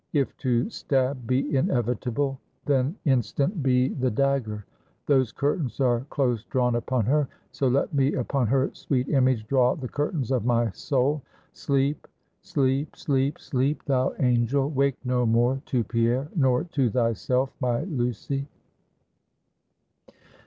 If to stab be inevitable; then instant be the dagger! Those curtains are close drawn upon her; so let me upon her sweet image draw the curtains of my soul. Sleep, sleep, sleep, sleep, thou angel! wake no more to Pierre, nor to thyself, my Lucy!"